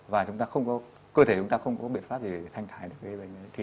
và cơ thể chúng ta không có biện pháp gì để thanh thái được